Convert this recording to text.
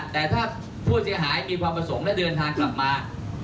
แต่ถ้าผู้เสียหายมีความประสงค์และเดินทางกลับมา